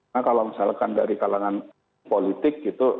nah kalau misalkan dari kalangan politik gitu